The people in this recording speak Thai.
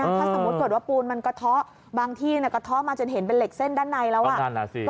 ถ้าสมมุติเกิดว่าปูนมันกระเทาะบางที่กระเทาะมาจนเห็นเป็นเหล็กเส้นด้านในแล้ว